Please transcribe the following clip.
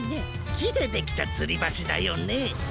きでできたつりばしだよね。